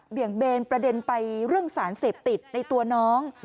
เบนประเด็นไปเรื่องสารเสพติดในตัวน้อง